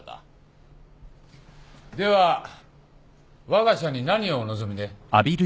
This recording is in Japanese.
ではわが社に何をお望みで？